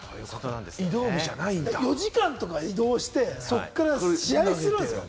４時間とか移動して、そこから試合するんですよ。